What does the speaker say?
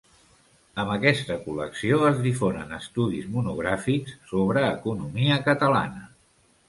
Amb aquesta col·lecció es difonen estudis monogràfics sobre economia catalana.